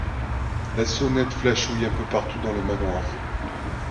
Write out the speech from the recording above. La sonnette flashouille un peu partout dans le manoir.